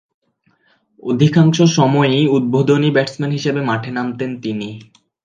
অধিকাংশ সময়ই উদ্বোধনী ব্যাটসম্যান হিসেবে মাঠে নামতেন তিনি।